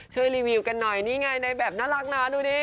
รีวิวกันหน่อยนี่ไงในแบบน่ารักนะดูดิ